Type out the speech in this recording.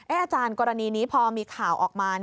อาจารย์กรณีนี้พอมีข่าวออกมา